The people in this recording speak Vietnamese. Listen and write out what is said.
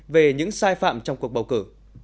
về những sai phạm trong cuộc bầu cử